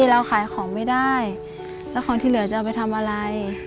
เราขายของไม่ได้แล้วของที่เหลือจะเอาไปทำอะไร